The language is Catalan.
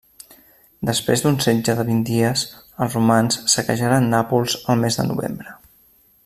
Després d'un setge de vint dies, els Romans saquejaren Nàpols el mes de novembre.